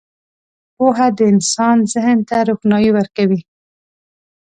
• پوهه د انسان ذهن ته روښنايي ورکوي.